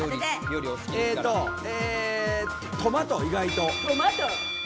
トマト意外と。